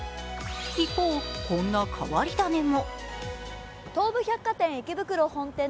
一方こんな変わり種も。